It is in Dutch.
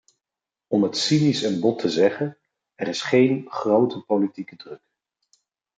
Om het cynisch en bot te zeggen: er is geen grote politieke druk.